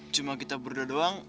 cuma kita berdua doang